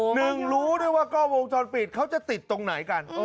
หนึ่งรู้ด้วยว่ากล้องวงจรปิดเขาจะติดตรงไหนกัน